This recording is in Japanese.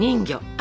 あ。